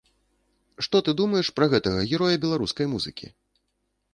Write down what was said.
Што ты думаеш пра гэтага героя беларускай музыкі?